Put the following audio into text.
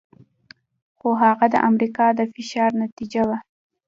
خو هغه د امریکا د فشار نتیجه وه.